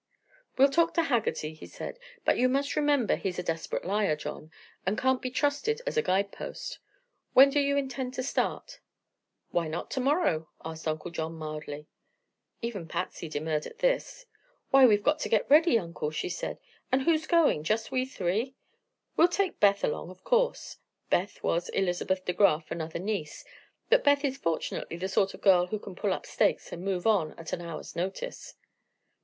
"We'll talk to Haggerty," he said. "But you must remember he's a desperate liar, John, and can't be trusted as a guidepost. When do you intend to start?" "Why not to morrow?" asked Uncle John mildly. Even Patsy demurred at this. "Why, we've got to get ready, Uncle," she said. "And who's going? Just we three?" "We will take Beth along, of course." Beth was Elizabeth De Graf, another niece. "But Beth is fortunately the sort of girl who can pull up stakes and move on at an hour's notice."